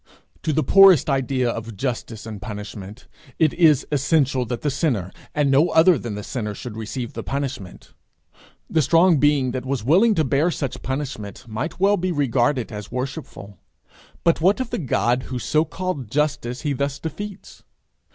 To the poorest idea of justice in punishment, it is essential that the sinner, and no other than the sinner, should receive the punishment. The strong being that was willing to bear such punishment might well be regarded as worshipful, but what of the God whose so called justice he thus defeats?